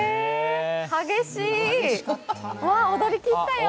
激しい、踊り切ったよ。